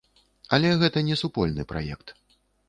Але гэта не супольны праект.